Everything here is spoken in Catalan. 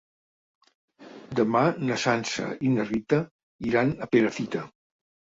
Demà na Sança i na Rita iran a Perafita.